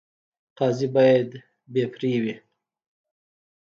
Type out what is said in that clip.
قاضي باید بې پرې وي